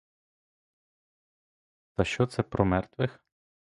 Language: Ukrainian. Та що це про мертвих?